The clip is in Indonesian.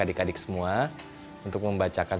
adik adik semua untuk membacakan